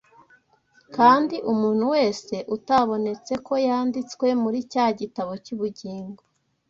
Kandi umuntu wese utabonetse ko yanditswe muri cya gitabo cy’ubugingo